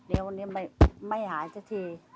เดี๋ยวนี้ไม่หาซะที